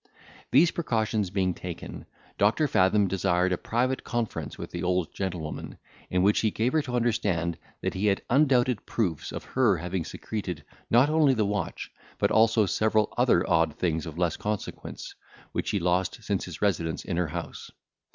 These precautions being taken, Doctor Fathom desired a private conference with the old gentlewoman, in which he gave her to understand, that he had undoubted proofs of her having secreted, not only the watch, but also several other odd things of less consequence, which he lost since his residence in her house.